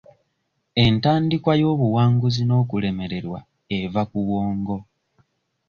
Entandikwa y'obuwanguzi n'okulemererwa eva ku bwongo.